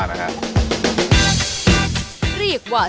สวัสดีครับ